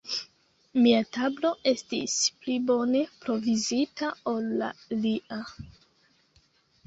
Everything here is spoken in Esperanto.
Mia tablo estis pli bone provizita ol la lia.